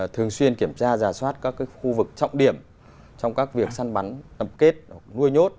thường xuyên kiểm tra giả soát các khu vực trọng điểm trong các việc săn bắn tập kết nuôi nhốt